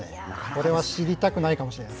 これは知りたくないかもしれない。